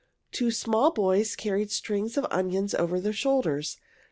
Two small boys carried strings of onions over their shoulders.